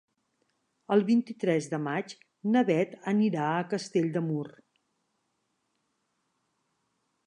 El vint-i-tres de maig na Bet anirà a Castell de Mur.